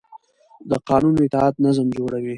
د قانون اطاعت نظم جوړوي